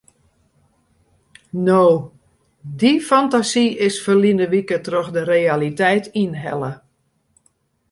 No, dy fantasy is ferline wike troch de realiteit ynhelle.